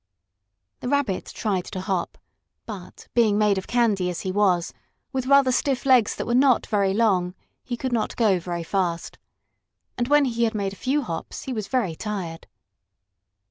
The Rabbit tried to hop, but, being made of candy as he was, with rather stiff legs that were not very long, he could not go very fast. And when he had made a few hops he was very tired.